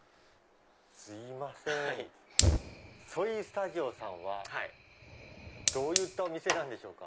すいませんソイスタジオさんはどういったお店なんでしょうか？